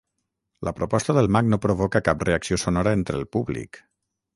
La proposta del mag no provoca cap reacció sonora entre el públic.